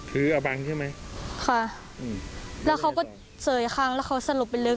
คืออาบังใช่ไหมค่ะแล้วเขาก็เจ๋ยข้างแล้วเขาสลบไปเลย